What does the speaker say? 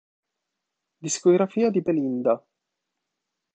Discografia di Belinda